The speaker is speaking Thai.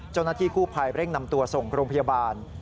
เจ้าหน้าที่กู้ภัยเร่งนำตัวส่งโรงพยาบาล